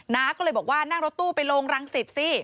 น้าก็เลยบอกว่านั่งรถตู้ไปลงรังสิตสิ